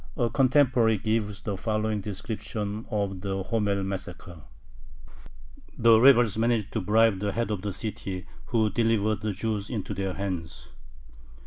A contemporary gives the following description of the Homel massacre: The rebels managed to bribe the head of the city, who delivered the Jews into their hands.